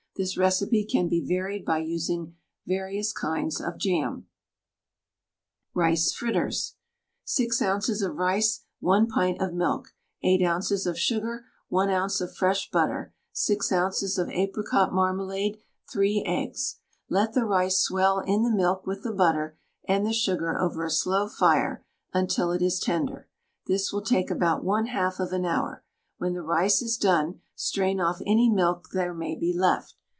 This recipe can be varied by using various kinds of jam. RICE FRITTERS. 6 oz. of rice, 1 pint of milk, 8 oz. of sugar, 1 oz. of fresh butter, 6 oz. of apricot marmalade, 3 eggs. Let the rice swell in the milk with the butter and the sugar over a slow fire until it is tender this will take about 1/2 of an hour; when the rice is done, strain off any milk there may be left.